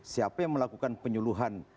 siapa yang melakukan penyuluhan